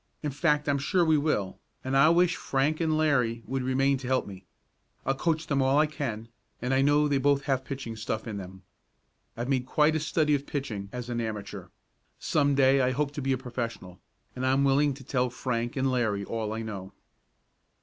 In fact, I'm sure we will, and I wish Frank and Larry would remain to help me. I'll coach them all I can, and I know they both have pitching stuff in them. I've made quite a study of pitching as an amateur. Some day I hope to be a professional, and I'm willing to tell Frank and Larry all I know."